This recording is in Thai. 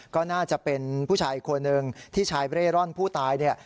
ก็น่าจะเป็นผู้ชายอีกคนนึงที่ชายเร่ร่อนผู้ตายเนี่ย